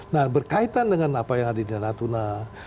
nah berkaitan dengan apa yang ada di natuna